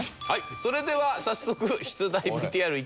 それでは早速出題ＶＴＲいきましょう。